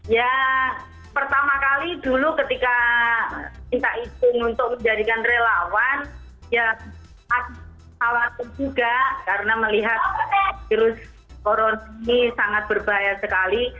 ya pertama kali dulu ketika minta izin untuk menjadikan relawan ya khawatir juga karena melihat virus corona ini sangat berbahaya sekali